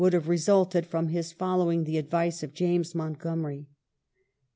131 have resulted from his following the advice of James Montgomery.